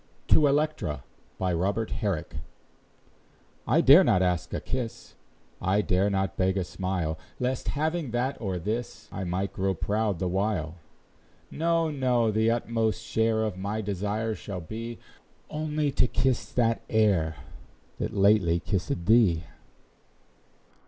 Robert Herrick. TO ELECTRA. I dare not ask a kiss; I dare not beg a smile; Lest having that or this, I might grow proud the while. No, no, the utmost share Of my desire shall be, Only to kiss that air That lately kissèd thee.